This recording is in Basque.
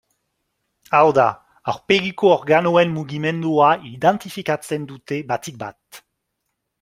Hau da, aurpegiko organoen mugimendua identifikatzen dute batik bat.